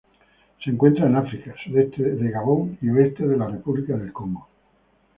Se encuentran en África: sudoeste de Gabón y oeste de la República del Congo.